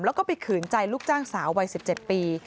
แล้วก็ไปขืนใจลูกจ้างสาววัย๑๗ปี